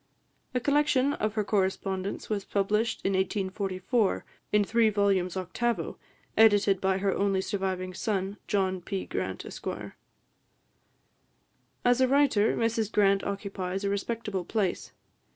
A collection of her correspondence was published in 1844, in three volumes octavo, edited by her only surviving son, John P. Grant, Esq. As a writer, Mrs Grant occupies a respectable place.